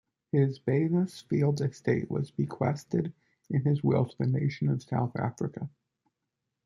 His Baynesfield Estate was bequeathed in his will to the nation of South Africa.